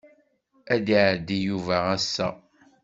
Ad d-iɛeddi Yuba ass-a.